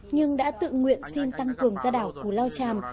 nhưng đã tự nguyện xin tăng cường ra đảo cù lao tràm